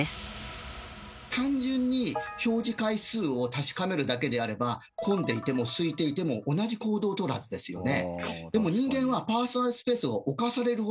単純に表示階数を確かめるだけであれば混んでいてもすいていても同じ行動をとるはずですよね。